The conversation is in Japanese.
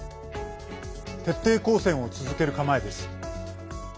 徹底抗戦を続ける構えです。